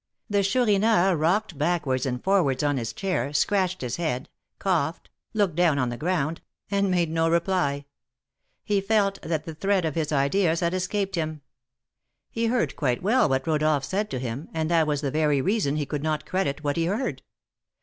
The Chourineur rocked backwards and forwards on his chair, scratched his head, coughed, looked down on the ground, and made no reply. He felt that the thread of his ideas had escaped him. He heard quite well what Rodolph said to him, and that was the very reason he could not credit what he heard.